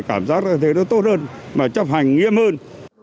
cảm giác thấy nó tốt hơn mà chấp hành nghiêm hơn